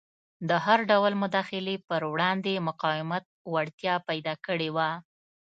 د هر ډول مداخلې پر وړاندې مقاومت وړتیا پیدا کړې وه.